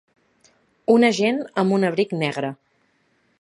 un agent amb un abric negre.